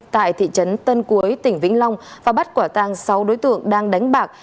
tại thị trấn tân cuối tỉnh vĩnh long và bắt quả tang sáu đối tượng đang đánh bạc